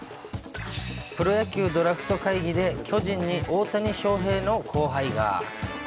プロ野球ドラフト会議で巨人に大谷翔平の後輩が。